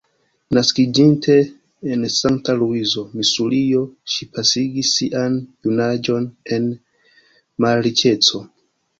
Naskiĝinte en Sankta-Luizo, Misurio, ŝi pasigis sian junaĝon en malriĉeco.